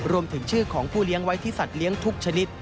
รวมถึงชื่อของผู้เลี้ยงไว้ที่สัตว์เลี้ยงทุกชนิด